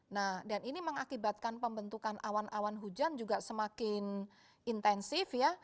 nah dan ini mengakibatkan pembentukan awan awan hujan juga semakin intensif ya